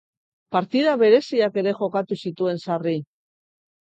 Partida bereziak ere jokatu zituen sarri.